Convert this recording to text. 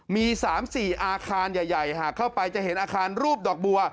มี๓๔อาคารใหญ่หากเข้าไปจะเห็นอาคารรูปดอกบัว